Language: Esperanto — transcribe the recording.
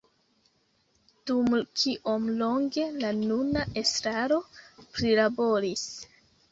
Dum kiom longe la nuna estraro prilaboris